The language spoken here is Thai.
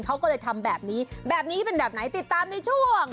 เขาก็เลยทำแบบนี้แบบนี้เป็นแบบไหนติดตามในช่วง